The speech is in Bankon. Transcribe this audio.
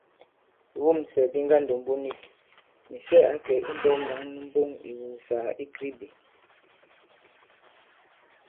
Ìwûmsɛ̀ di ŋgandòmbu nik, Mìsɛ ǎ kɛ̀ imbɔ̄k nyǎŋ nu mboŋ ì ìwùùsàgà i Kribi.